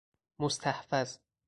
مستحفظ